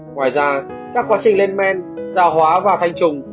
ngoài ra các quá trình len men giao hóa và thanh trùng